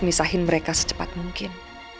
misahin mereka secepat mungkin